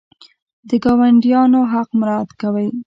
د ګاونډیانو حق مراعات کوئ؟